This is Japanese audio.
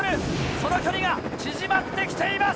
その距離が縮まってきています！